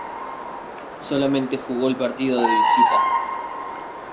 Solamente jugó el partido de visita.